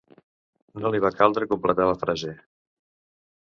No li va caldre completar al frase.